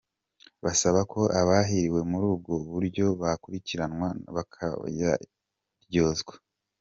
Basaba ko abarihiwe muri ubwo buryo bakurikiranwa bakayaryozwa.